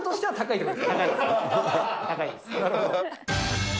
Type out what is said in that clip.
はい。